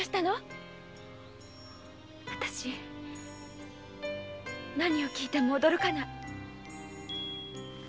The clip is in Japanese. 私何を聞いても驚かない。